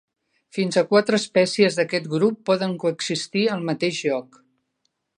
Fins a quatre espècies d'aquest grup poden coexistir al mateix lloc.